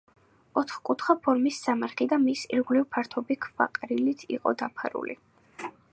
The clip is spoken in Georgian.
ოთხკუთხა ფორმის სამარხი და მის ირგვლივ ფართობი ქვაყრილით იყო დაფარული.